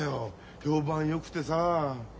評判よくてさあ。